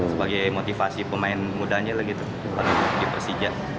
sebagai motivasi pemain mudanya lah gitu dipersija